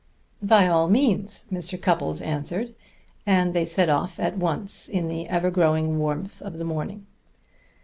"By all means," Mr. Cupples answered; and they set off at once in the ever growing warmth of the morning.